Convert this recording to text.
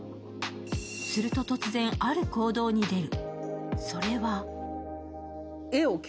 すると突然、ある行動に出る。